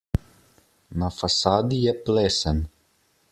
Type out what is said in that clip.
Na fasadi je plesen.